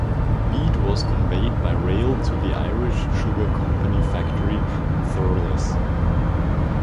Beet was conveyed by rail to the Irish Sugar Company factory in Thurles.